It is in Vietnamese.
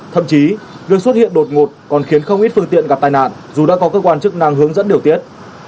thậm chí việc xuất hiện đột ngột còn khiến không ít phương tiện gặp tai nạn dù đã có cơ quan chức năng hướng dẫn điều tiết